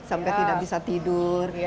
sampai tidak bisa tidur